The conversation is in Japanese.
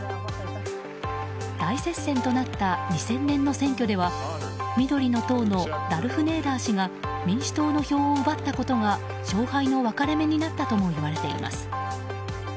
大接戦となった２０００年の選挙では緑の党のラルフ・ネーダー氏が民主党の票を奪ったことが勝敗の分かれ目になったともいわれています。